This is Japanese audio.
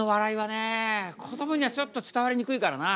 こどもにはちょっと伝わりにくいからな。